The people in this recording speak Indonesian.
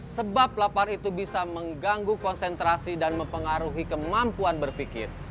sebab lapar itu bisa mengganggu konsentrasi dan mempengaruhi kemampuan berpikir